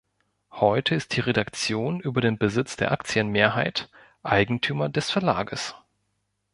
Heute ist die Redaktion über den Besitz der Aktienmehrheit Eigentümer des Verlages.